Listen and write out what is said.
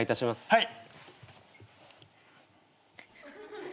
はい。